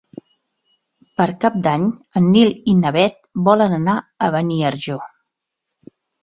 Per Cap d'Any en Nil i na Bet volen anar a Beniarjó.